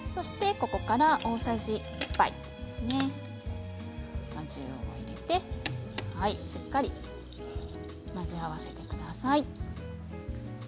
ここから大さじ１杯果汁を入れてしっかり混ぜ合わせてください。